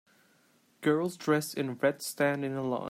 Girls dressed in red stand in a line.